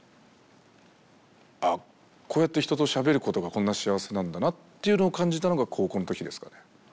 あこうやって人としゃべることがこんな幸せなんだなっていうのを感じたのが高校のときですかね。